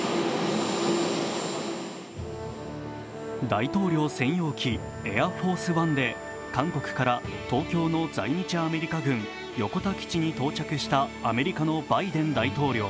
大統領専用機エアフォースワンで韓国から東京の在日アメリカ軍・横田基地に到着したアメリカのバイデン大統領。